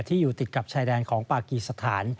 อยู่ติดกับชายแดนของปากีสถาน